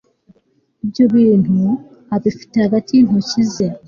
ibyo bintu abifite hagati y'intoki ze